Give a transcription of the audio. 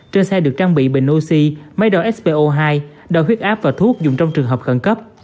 trên xe được trang bị bình oxy máy đo spo hai đo huyết áp và thuốc dùng trong trường hợp khẩn cấp